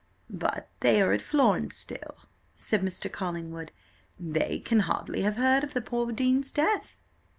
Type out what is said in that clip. "But they are at Florence still," said Mr. Collingwood, "they can hardly have heard of the poor dean's death."